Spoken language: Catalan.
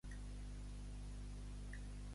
Hi ha algun lampista a la plaça de Pilar Miró?